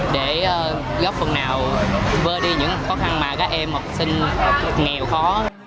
để góp phần nào vơi đi những khó khăn mà các em học sinh nghèo khó